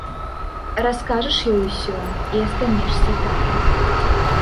Раскажаш ёй усё і астанешся там.